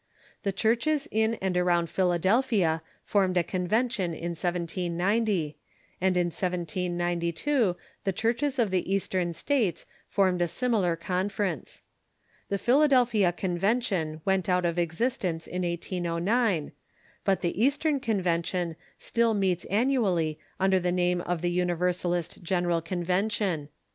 The churches in and around Philadeli)hia formed a convention in 1790, and in 1792 tlie churches of the Eastern States formed a similar confer ence. The Philadelphia Convention Avent out of existence in 1809, but the Eastern Convention still meets annually under the name of the Universalist General Convention.